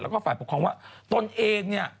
แล้วก็ฝ่ายปกครองว่าตนเองเนี่ย